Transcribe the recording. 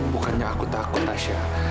bukannya aku takut tasya